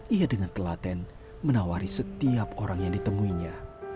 ia dengan telaten menawari setiap orang yang ditemuinya